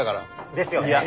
ですよね？